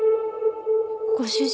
ご主人が？